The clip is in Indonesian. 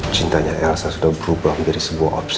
cintanya elsa sudah berubah menjadi sebuah opsi